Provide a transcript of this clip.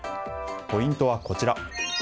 ポイントはこちら。